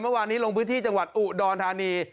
เมื่อวานนี้ลงพื้นที่จังหวัดอุดรธานี